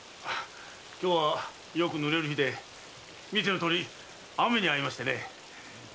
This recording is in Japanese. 今日はよく濡れる日で見てのとおり雨に遭いまして。